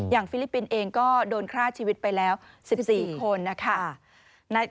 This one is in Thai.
อย่างฟิลิปปินส์เองก็โดนฆ่าชีวิตไปแล้ว๑๔คน